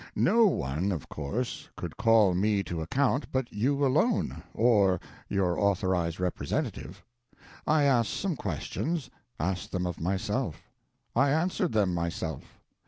No one, of course, could call me to account but you alone, or your authorized representative. I asked some questions asked them of myself. I answered them myself.